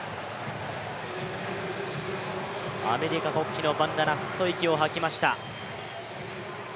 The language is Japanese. アメリカ国旗のバンダナ、ふっと息を吐きました。